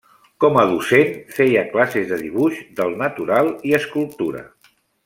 Com a docent feia classes de dibuix del natural i escultura.